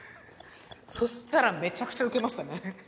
そしたらめちゃくちゃウケましたね。